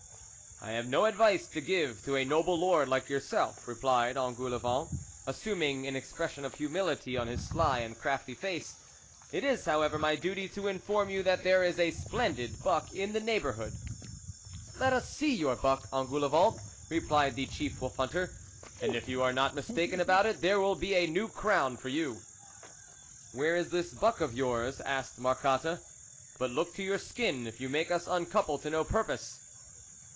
" I have no advice to give to a noble Lord like yourself," replied Engoulevent, assuming an expression of humility on his sly and crafty face ;" it is, however, my duty to inform you that there is a splendid buck in the neighbourhood." " Let us see your buck, Engoulevent," replied the chief wolf hunter, " and if you are not mistaken about it, there will be a new crown for you." " Where is this buck of yours ?" asked Marcotte, " but look to your skin, if you make us uncouple to no purpose."